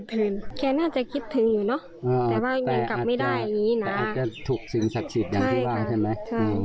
แต่อาจจะถูกสิ่งศักดิ์สิทธิ์อย่างที่ว่าใช่ไหม